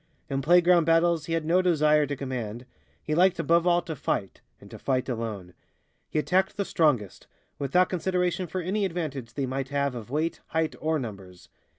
In playground battles he had no desire to command; he liked above all to fight, and to fight alone. He attacked the strongest, without consideration for any advantage they might have of weight, height or numbers.